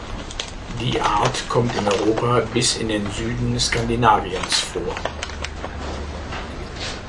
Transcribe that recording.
Die Art kommt in Europa bis in den Süden Skandinaviens vor.